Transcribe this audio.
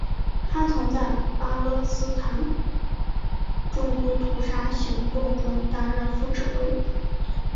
他曾在巴勒斯坦种族屠杀行动中担任副指挥。